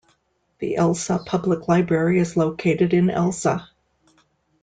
The Elsa Public Library is located in Elsa.